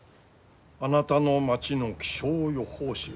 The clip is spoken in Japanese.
「あなたの町の気象予報士」